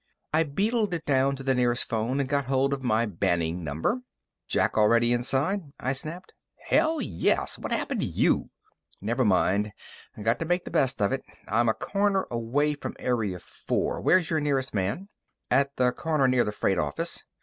I beetled it down to the nearest phone and got hold of my BANning number. "Jack already inside?" I snapped. "Hell, yes! What happened to you?" "Never mind. Got to make the best of it. I'm a corner away from Area Four. Where's your nearest man?" "At the corner near the freight office."